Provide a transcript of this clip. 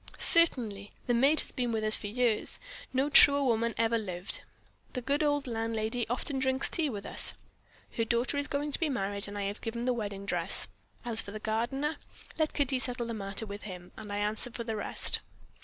"Certainly! The maid has been with us for years; no truer woman ever lived. The good old landlady often drinks tea with us. Her daughter is going to be married; and I have given the wedding dress. As for the gardener, let Kitty settle the matter with him, and I answer for the rest.